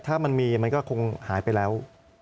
ถ้ามันมีมันก็คงหายไปแล้ว